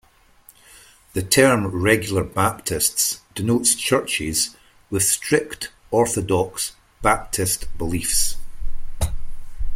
The term Regular Baptists denotes churches with strict, orthodox Baptist beliefs.